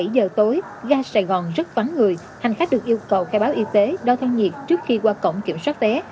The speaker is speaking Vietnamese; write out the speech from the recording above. bảy giờ tối ga sài gòn rất vắng người hành khách được yêu cầu khai báo y tế đo thân nhiệt trước khi qua cổng kiểm soát vé